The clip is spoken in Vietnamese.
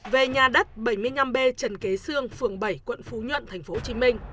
về nhà đất bảy mươi năm b trần kế sương phường bảy quận phú nhuận tp hcm